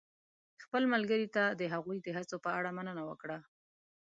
خپل ملګري ته د هغوی د هڅو په اړه مننه وکړه.